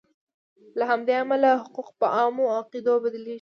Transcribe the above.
له همدې امله حقوق په عامو قاعدو بدلیږي.